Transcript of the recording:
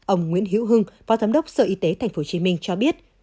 ông nguyễn hiễu hưng phó thám đốc sở y tế tp hcm cho biết